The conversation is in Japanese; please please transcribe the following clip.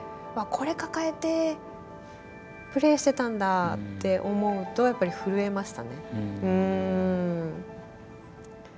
わあこれ抱えてプレーしてたんだって思うとやっぱり震えましたね。